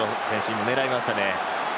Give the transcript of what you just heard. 今、狙いましたね。